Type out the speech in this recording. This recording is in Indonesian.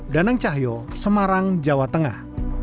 danang cahyo semarang jawa tengah